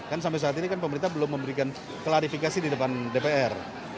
kan sampai saat ini kan pemerintah belum memberikan klarifikasi di depan dpr